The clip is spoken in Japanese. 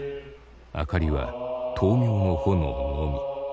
明かりは灯明の炎のみ。